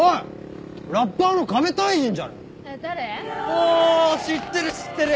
お知ってる知ってる。